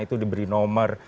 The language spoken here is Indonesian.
itu diberi nomor